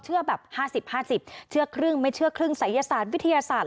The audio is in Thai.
แบบ๕๐๕๐เชื่อครึ่งไม่เชื่อครึ่งศัยศาสตร์วิทยาศาสตร์